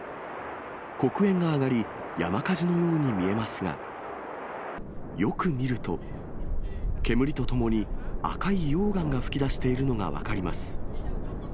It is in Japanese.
黒煙が上がり、山火事のように見えますが、よく見ると煙とともに、赤い溶岩が噴き出しているのが分かります。